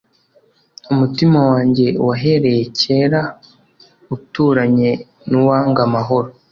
Umutima wanjye wahereye kera, uturanye nuwanga amahoro